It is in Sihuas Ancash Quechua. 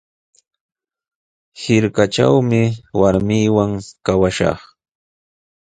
Hirkatrawmi warmiiwan kawashaq.